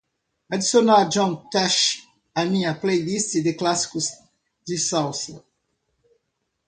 Adicionar John Tesh à minha playlist de clássicos de salsa